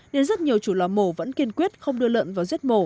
nên rất nhiều chủ lò mổ vẫn kiên quyết không đưa lợn vào giết mổ